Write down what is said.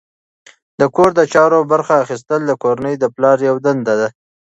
د کور د چارو برخه اخیستل د کورنۍ د پلار یوه دنده ده.